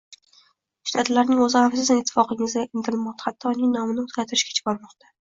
Shtatlarning o'zi ham sizning ittifoqingizga intilmoqda, hatto uning nomini o'zgartirishgacha bormoqda